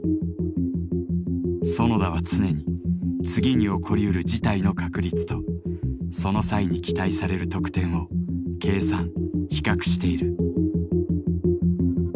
園田は常に次に起こりうる事態の「確率」とその際に期待される「得点」を計算比較している。